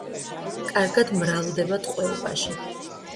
კარგად მრავლდება ტყვეობაში.